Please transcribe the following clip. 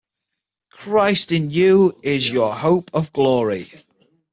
"Christ in you is your hope of glory!".